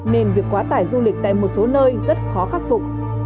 nên việc quá tải du lịch tại một số nơi rất khó khắc phục